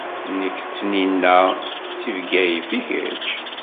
Nekk d Tanina si Bgayet, i kečč?